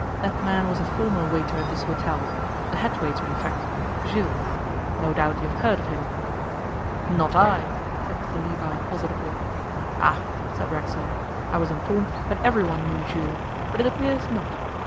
That man was a former waiter at this hotel the head waiter, in fact Jules. No doubt you have heard of him.' 'Not I,' said Mr Levi positively. 'Ah!' said Racksole, 'I was informed that everyone knew Jules, but it appears not.